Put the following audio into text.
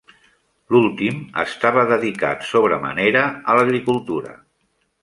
L'últim estava dedicat sobre manera a l'agricultura.